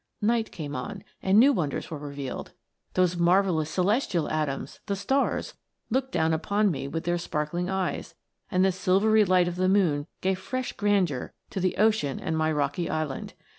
" Night came on, and new wonders were revealed. Those marvellous celestial atoms, the stars, looked down upon me with their sparkling eyes ; and the silvery light of the moon gave fresh grandeur to the ocean and my rocky island.